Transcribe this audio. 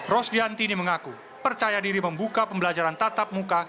rosdiantini mengaku percaya diri membuka pembelajaran tatap muka